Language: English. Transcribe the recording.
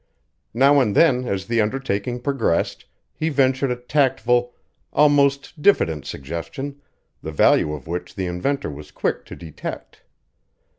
Now and then as the undertaking progressed, he ventured a tactful, almost diffident suggestion, the value of which the inventor was quick to detect.